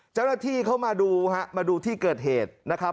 เจ้าหน้าที่เข้ามาดูฮะมาดูที่เกิดเหตุนะครับ